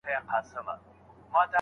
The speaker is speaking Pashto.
ورزش کول روغتیا او باور زیاتوي.